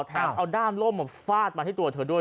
แถมเอาด้ามล่มฟาดมาที่ตัวเธอด้วย